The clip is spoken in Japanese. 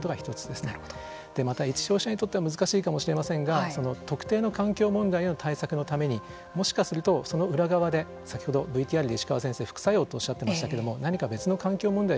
でまた一消費者にとっては難しいかもしれませんが特定の環境問題への対策のためにもしかするとその裏側で先ほどＶＴＲで石川先生副作用とおっしゃってましたけども何か別の環境問題